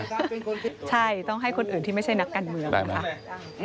ใช่ต้องให้คนอื่นที่ไม่ใช่นักการเมืองนะคะ